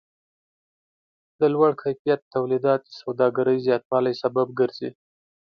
د لوړ کیفیت تولیدات د سوداګرۍ زیاتوالی سبب ګرځي.